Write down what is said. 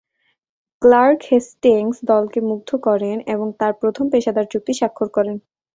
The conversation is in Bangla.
ক্লার্ক হেস্টিংস দলকে মুগ্ধ করেন এবং তাঁর প্রথম পেশাদার চুক্তি স্বাক্ষর করেন।